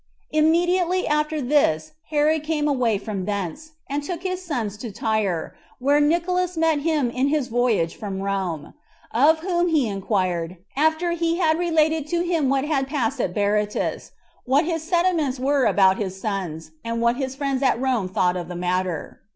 Immediately after this Herod came away from thence, and took his sons to Tyre, where Nicolaus met him in his voyage from Rome; of whom he inquired, after he had related to him what had passed at Berytus, what his sentiments were about his sons, and what his friends at Rome thought of that matter.